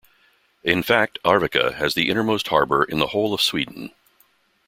In fact, Arvika has the innermost harbour in the whole of Sweden.